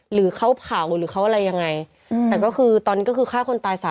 เหลือเป็นซากเลยอะ